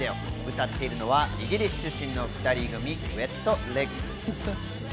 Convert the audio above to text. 歌っているのはイギリス出身の２人組ＷｅｔＬｅｇ。